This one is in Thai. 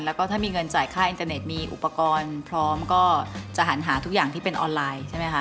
แล้วก็ถ้ามีเงินจ่ายค่าอินเตอร์เน็ตมีอุปกรณ์พร้อมก็จะหันหาทุกอย่างที่เป็นออนไลน์ใช่ไหมคะ